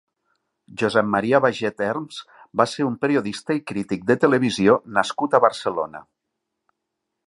Josep Maria Baget Herms va ser un periodista i crític de televisió nascut a Barcelona.